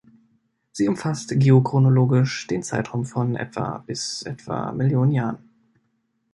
Sie umfasst geochronologisch den Zeitraum von etwa bis etwa Millionen Jahren.